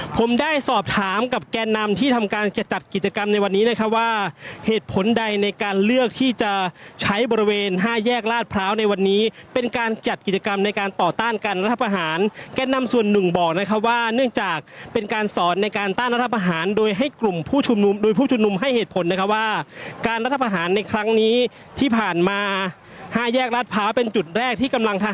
ผมได้สอบถามกับแก่นำที่ทำการจัดกิจกรรมในวันนี้นะครับว่าเหตุผลใดในการเลือกที่จะใช้บริเวณห้าแยกราชพร้าวในวันนี้เป็นการจัดกิจกรรมในการต่อต้านการรัฐพาหารแก่นำส่วนหนึ่งบอกนะครับว่าเนื่องจากเป็นการสอนในการต้านรัฐพาหารโดยให้กลุ่มผู้ชมรุมโดยผู้ชมรุมให้เหตุผลนะครับว่า